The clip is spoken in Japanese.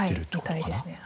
みたいですね。